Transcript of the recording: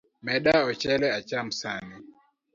Meda ochele acham sani.